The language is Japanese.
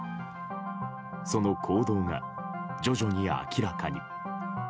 その行動が、徐々に明らかに。